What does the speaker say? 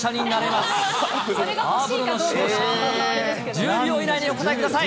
１０秒以内にお答えください。